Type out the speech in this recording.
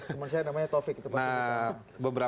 teman saya namanya taufik itu pasti beberapa